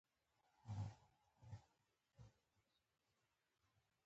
د مڼې شیره د څه لپاره وکاروم؟